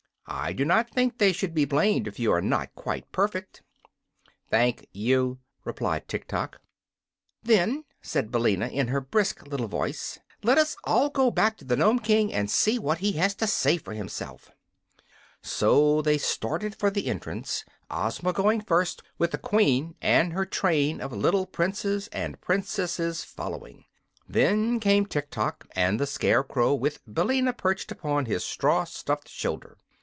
"I do not think they should be blamed if you are not quite perfect." "Thank you," replied Tiktok. "Then," said Billina, in her brisk little voice, "let us all go back to the Nome King, and see what he has to say for himself." So they started for the entrance, Ozma going first, with the Queen and her train of little Princes and Princesses following. Then came Tiktok, and the Scarecrow with Billina perched upon his straw stuffed shoulder.